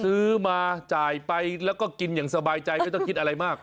ซื้อมาจ่ายไปแล้วก็กินอย่างสบายใจไม่ต้องคิดอะไรมาก